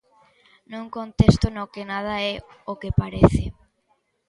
Nun contexto no que nada é o que parece.